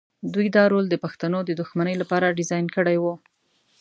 دوی دا رول د پښتنو د دښمنۍ لپاره ډیزاین کړی و.